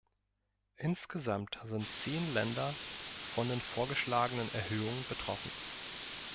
Insgesamt sind zehn Länder von den vorgeschlagenen Erhöhungen betroffen.